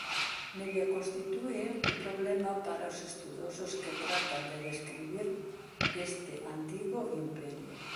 Media constitúe un problema para os estudosos que tratan de describir este antigo imperio.